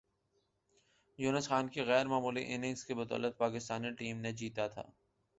یونس خان کی غیر معمولی اننگز کی بدولت پاکستانی ٹیم نے جیتا تھا